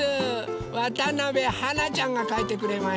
わたなべはなちゃんがかいてくれました。